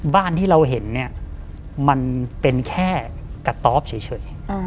บ้านที่เราเห็นเนี่ยมันเป็นแค่กระต๊อบเฉย